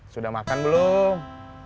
sudah makan belum